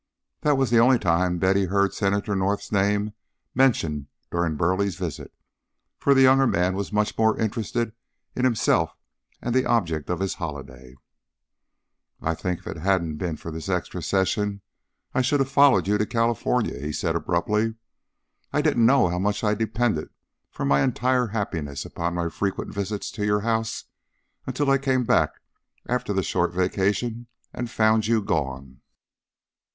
That was the only time Betty heard Senator North's name mentioned during Burleigh's visit, for the younger man was much more interested in himself and the object of his holiday. "I think if it hadn't been for this Extra Session I should have followed you to California," he said abruptly. "I didn't know how much I depended for my entire happiness upon my frequent visits to your house until I came back after the short vacation and found you gone."